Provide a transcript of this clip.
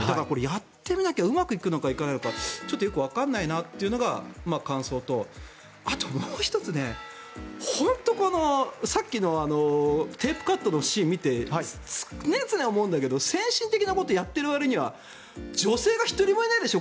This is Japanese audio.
やってみなきゃうまくいくのかいかないのかちょっとよくわからないなというのが感想とあとはもう１つ、さっきのテープカットのシーンを見て常々思うんだけど先進的なことをやっているわりには女性が１人もいないでしょ？